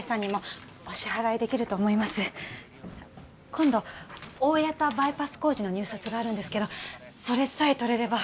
今度大谷田バイパス工事の入札があるんですけどそれさえ取れれば。